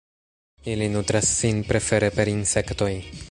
Ili nutras sin prefere per insektoj.